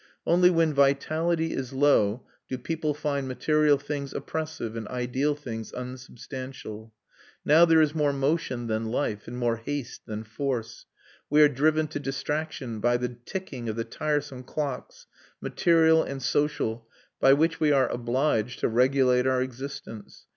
Only when vitality is low do people find material things oppressive and ideal things unsubstantial. Now there is more motion than life, and more haste than force; we are driven to distraction by the ticking of the tiresome clocks, material and social, by which we are obliged to regulate our existence.